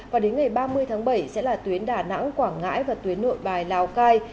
và đến ngày ba mươi tháng bảy sẽ là tuyến đà nẵng quảng ngãi và tuyến nội bài lào cai